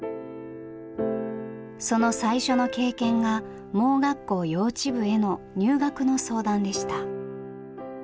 その最初の経験が盲学校幼稚部への入学の相談でした。